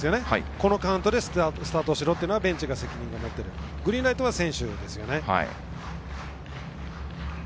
このカウントでスタート後ろというのはベンチが責任を持っているグリーンライト選手ですね。